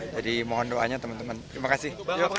jadi mohon doanya teman teman terima kasih